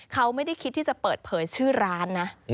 เขาไม่ได้คิดที่จะเปิดเผยชื่อร้านนะ